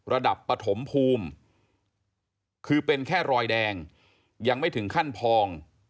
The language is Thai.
ปฐมภูมิคือเป็นแค่รอยแดงยังไม่ถึงขั้นพอง